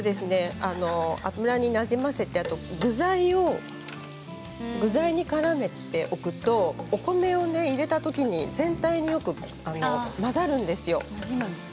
油になじませて具材にからめておくとお米を入れたときに全体によく混ざるんですよ。